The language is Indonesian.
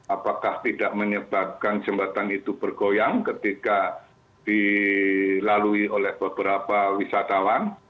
apakah tidak menyebabkan jembatan itu bergoyang ketika dilalui oleh beberapa wisatawan